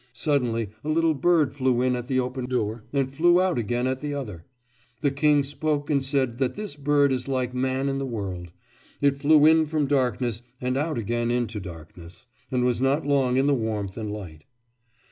Suddenly a little bird flew in at the open door and flew out again at the other. The king spoke and said that this bird is like man in the world; it flew in from darkness and out again into darkness, and was not long in the warmth and light....